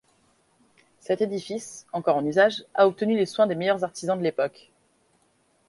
Cet édifice, encore en usage, a obtenu les soins des meilleurs artisans de l'époque.